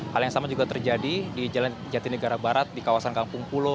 hal yang sama juga terjadi di jalan jatinegara barat di kawasan kampung pulo